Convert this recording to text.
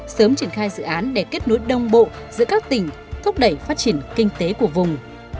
sớm triển khai dự án để kết nối đồng bộ giữa các tỉnh thúc đẩy phát triển kinh tế của vùng